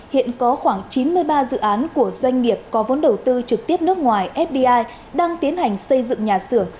hiện có khoảng chín mươi ba dự án của doanh nghiệp có vốn đầu tư trực tiếp nước ngoài fdi đang tiến hành xây dựng nhà xưởng